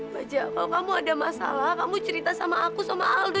baja kalau kamu ada masalah kamu cerita sama aku sama aldo